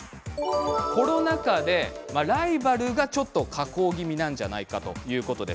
コロナ禍でライバルが、下降気味なんじゃないかということです。